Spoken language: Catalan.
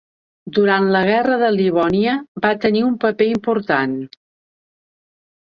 Durant la Guerra de Livònia, va tenir un paper important.